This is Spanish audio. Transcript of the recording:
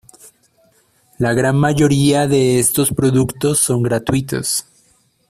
La gran mayoría de estos productos son gratuitos.